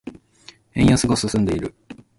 円安が進んでいる。